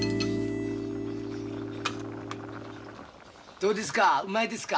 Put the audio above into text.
どうですか？